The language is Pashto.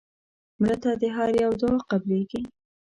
مړه ته د هر یو دعا قبلیږي